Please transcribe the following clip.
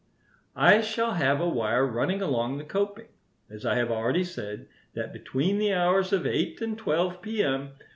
"I shall have a wire running along the coping, as I have already said, that between the hours of eight and twelve p.m.